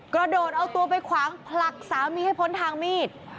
กระโดดเอาตัวไปขวางผลักสามีให้พ้นทางมีด